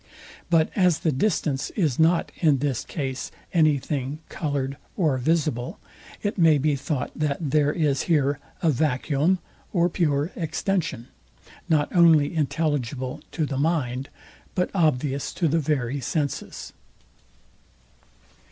But as the distance is not in this case any thing coloured or visible, it may be thought that there is here a vacuum or pure extension, not only intelligible to the mind, but obvious to the very senses.